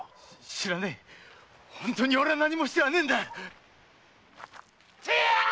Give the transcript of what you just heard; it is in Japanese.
知らねえ本当に俺は何も知らねえんだ！